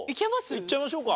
いっちゃいましょうか。